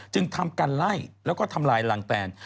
ทำกันไล่แล้วก็ทำลายรังแตน